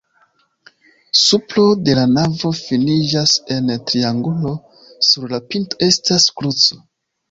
Supro de la navo finiĝas en triangulo, sur la pinto estas kruco.